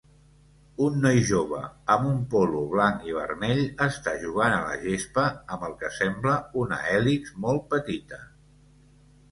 Un noi jove amb un polo blanc i vermell està jugant a la gespa amb el que sembla una hèlix molt petita